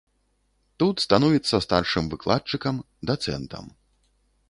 Тут становіцца старшым выкладчыкам, дацэнтам.